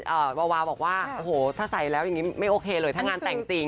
วาวาบอกว่าโอ้โหถ้าใส่แล้วอย่างงี้ไม่โอเคเลยถ้างานแต่งจริง